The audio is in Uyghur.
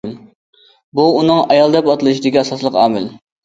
بۇ ئۇنىڭ ئايال دەپ ئاتىلىشىدىكى ئاساسلىق ئامىل.